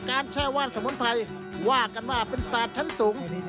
แช่ว่านสมุนไพรว่ากันว่าเป็นศาสตร์ชั้นสูง